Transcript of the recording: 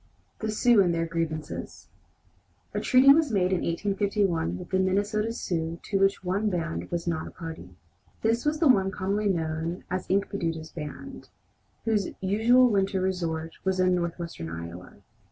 THE SIOUX AND THEIR GRIEVANCES A treaty was made in 1851 with the Minnesota Sioux to which one band was not a party. This was the one commonly known as Inkpaduta's band, whose usual winter resort was in northwestern Iowa.